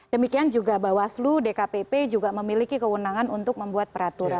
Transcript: demikian juga bawaslu dkpp juga memiliki kewenangan untuk membuat peraturan